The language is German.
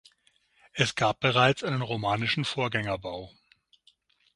Es gab bereits einen romanischen Vorgängerbau.